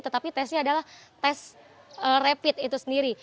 tetapi tesnya adalah tes rapid itu sendiri